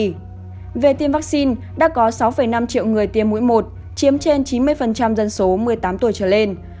vì tiêm vaccine đã có sáu năm triệu người tiêm mũi một chiếm trên chín mươi dân số một mươi tám tuổi trở lên